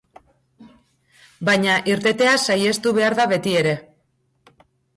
Baina, irtetea saihestu behar da betiere.